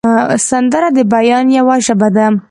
سندره د بیان یوه ژبه ده